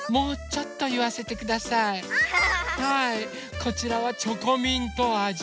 こちらはチョコミントあじ。